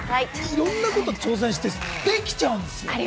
いろんなことに挑戦してできちゃうんですよね。